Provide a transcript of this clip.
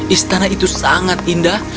istana itu sangat indah